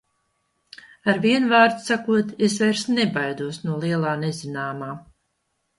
Ar vienu vārdu sakot, es vairs nebaidos no lielā nezināmā.